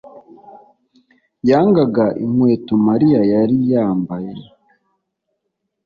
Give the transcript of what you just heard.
yangaga inkweto mariya yari yambaye